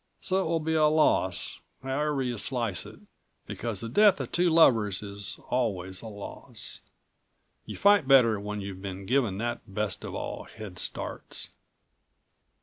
So it will be a loss, however you slice it, because the death of two lovers is always a loss. You fight better when you've been given that best of all head starts.